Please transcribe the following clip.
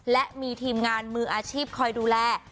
และมีทีมงานมืออาชีพคอยดูแล